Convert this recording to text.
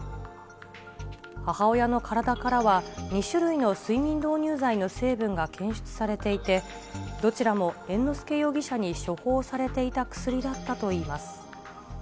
母親の体からは、２種類の睡眠導入剤の成分が検出されていて、どちらも猿之助容疑者に処方されていた薬だったといいます。